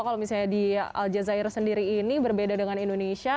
kalau misalnya di al jazeera sendiri ini berbeda dengan indonesia